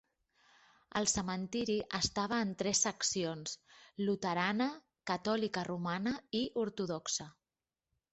El cementiri estava en tres seccions: luterana, catòlica romana, i ortodoxa.